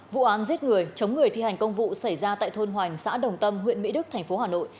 vụ án giết người chống người thi hành công vụ xảy ra tại thôn hoành xã đồng tâm huyện mỹ đức thành phố hà nội